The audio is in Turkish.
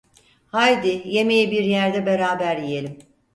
Haydi, yemeği bir yerde beraber yiyelim.